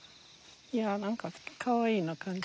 いや何かかわいいな感じ。